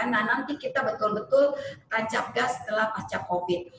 nah nanti kita betul betul tancap gas setelah pasca covid